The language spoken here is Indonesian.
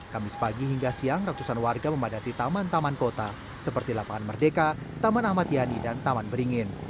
kamis pagi hingga siang ratusan warga memadati taman taman kota seperti lapangan merdeka taman ahmad yani dan taman beringin